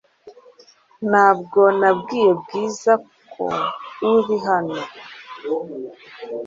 Ntabwo nabwiye Bwiza ko uri hano .